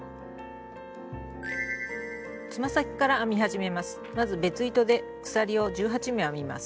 つま先から編み始めます。